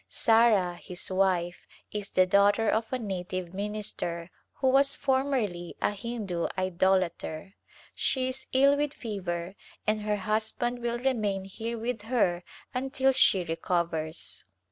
Sarah, his wife, is the daughter of a native minister A Glimpse of India who was formerly a Hindu idolater. She is ill with fever and her husband will remain here with her until she recovers.